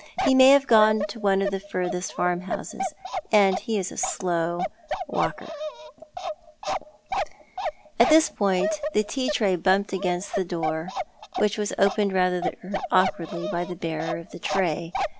He may have gone to one of the furthest farmhouses ; and he is a slow walker." 2 2,2 Thoii art the ]\Ian. At tbis iioint the tea tray bumped against the door, wliicli was opeued rather awkwardly by the bearer of the tray.